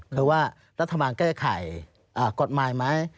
คือว่ารัฐบาลแก้ไขกฎหมายไหม